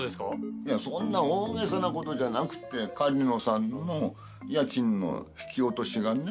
いやそんな大げさな事じゃなくて狩野さんの家賃の引き落としがね